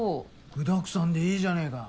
具だくさんでいいじゃねぇか。